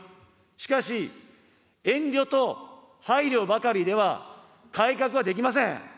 しかし、遠慮と配慮ばかりでは改革はできません。